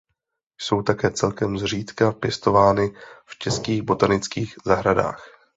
Jsou také celkem zřídka pěstovány v českých botanických zahradách.